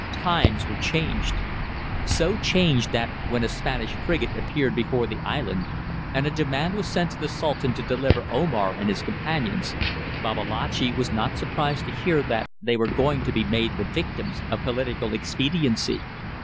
Times were changed. So changed that, when a Spanish frigate appeared before the island and a demand was sent to the Sultan to deliver Omar and his companions, Babalatchi was not surprised to hear that they were going to be made the victims of political expediency.